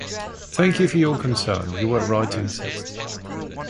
Thank you for your concern, you were right to insist.